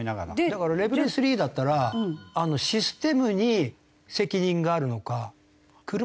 だからレベル３だったらシステムに責任があるのか車製造メーカーにあるのか。